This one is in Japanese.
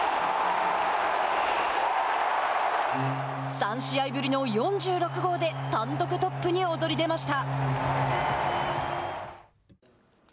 ３試合ぶりの４６号で単独トップに躍り出ました。